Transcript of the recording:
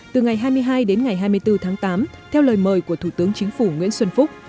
từ ngày hai mươi hai đến ngày hai mươi bốn tháng tám theo lời mời của thủ tướng chính phủ nguyễn xuân phúc